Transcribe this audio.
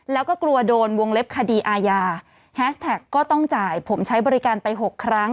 แล้วก็กลัวโดนวงเล็บคดีอาญาแฮสแท็กก็ต้องจ่ายผมใช้บริการไปหกครั้ง